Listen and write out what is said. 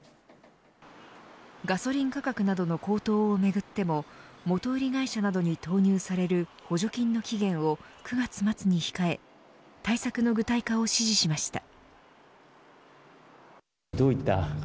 ガソリン価格などの高騰をめぐっても元売り会社などに投入される補助金の期限を９月末に控え対策の具体化を指示しました。